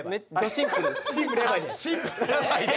シンプルやばいで。